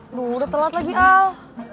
aduh udah telat lagi ah